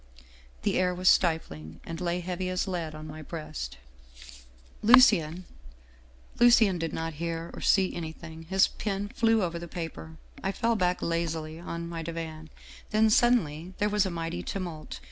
The air was stifling, and lay heavy as lead on my breast. 263 Scandinavian Mystery Stories "' Lucien !'" Lucien did not hear or see anything, his pen flew over the paper. " I fell back lazily on my divan. " Then, suddenly, there was a mighty tumult.